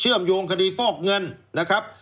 เชื่อมโยงคดีฟอกเงินนะครับ